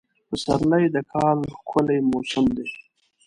پسرلی د کال ښکلی موسم دی.